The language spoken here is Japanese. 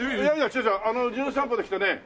『じゅん散歩』で来たね